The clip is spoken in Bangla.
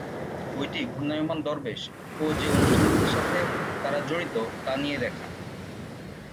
বইটি ঘূর্ণায়মান দরবেশ ও যে অনুষ্ঠানগুলির সাথে তারা জড়িত তা নিয়ে লেখা।